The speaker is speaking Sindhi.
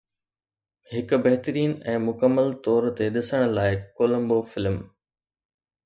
هڪ بهترين ۽ مڪمل طور تي ڏسڻ لائق ڪولمبو فلم